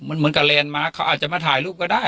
เหมือนกับแลนด์มาร์คเขาอาจจะมาถ่ายรูปก็ได้